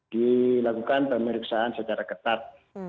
dilakukan pemeriksaan secara ketat